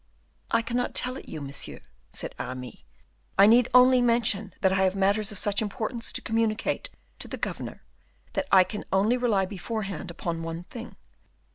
"I cannot tell it you, monsieur," said Aramis; "I need only mention that I have matters of such importance to communicate to the governor, that I can only rely beforehand upon one thing, that M.